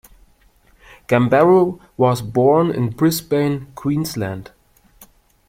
Gambaro was born in Brisbane, Queensland.